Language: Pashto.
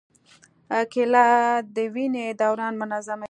کېله د وینې دوران منظموي.